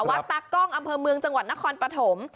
วัดตากล้องอำเภอเมืองจังหวัดนครปฐม